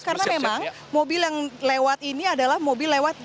karena memang mobil yang lewat ini adalah mobil lewat